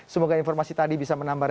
semoga informasi tadi bisa menambah